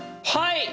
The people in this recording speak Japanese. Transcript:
はい！